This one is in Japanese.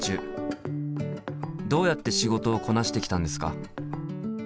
どうやって仕事をこなしてきたんですか？